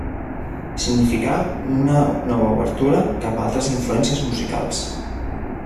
Significà una nova obertura cap a altres influències musicals.